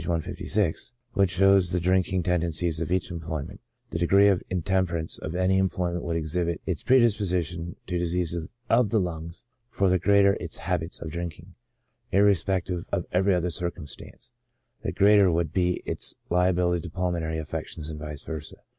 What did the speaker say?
156, which shows the drinking tendencies of each employ ment, the degree of intemperance of any employment would exhibit its predisposition to diseases of the lungs, for the greater its habits of drinking, irrespective of every other circumstance, the greater would be its liability to pulmonary affections, and vice versa.